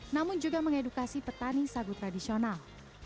namun juga mengedukasi petani sagu tradisional